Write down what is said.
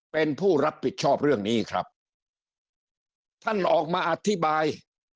เป็นผู้รับผิดชอบเรื่องนี้ครับท่านออกมาอธิบาย